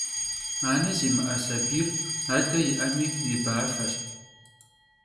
Ane zimı'e sabiyr, ade yi'emi, yibafeş.